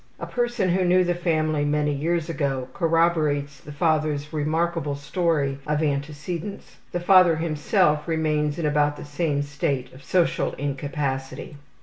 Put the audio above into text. A person who knew the family many years ago corroborates the father's remarkable story of antecedents. The father himself remains in about the same state of social incapacity.